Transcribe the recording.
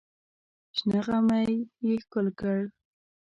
شنه غمی یې ښکل کړ.